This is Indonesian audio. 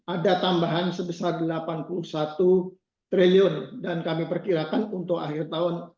ada tambahan sebesar rp delapan puluh satu triliun dan kami perkirakan untuk akhir tahun